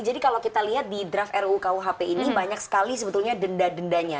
jadi kalau kita lihat di draft rukuhp ini banyak sekali sebetulnya denda dendanya